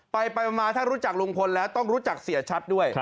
ไปมาถ้ารู้จักลุงพลแล้วต้องรู้จักเสียชัดด้วย